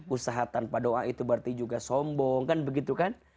usaha tanpa doa itu berarti juga sombong kan begitu kan